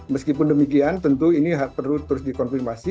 meskipun demikian tentu ini perlu terus dikonfirmasi